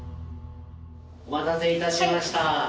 お待たせいたしました。